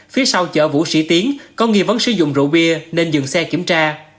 phía sau chợ vũ sĩ tiến có nghi vấn sử dụng rượu bia nên dừng xe kiểm tra